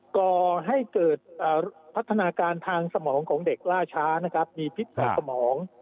ก่อให้เกิดพัฒนาการทางสมองของเด็กล่าช้านะครับมีพิษทางสมอง